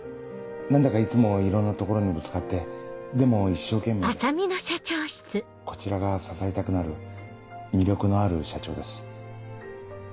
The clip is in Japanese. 何だかいつもいろんなところにぶつかってでも一生懸命でこちらが支えたくなる魅力のある社長です。